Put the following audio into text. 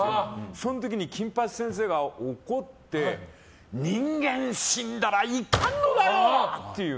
その時に、金八先生が怒って人間死んだらいかんのだよ！っていう。